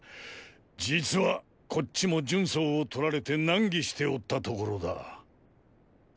実はこっちも荀早を取られて難儀しておったところだ。！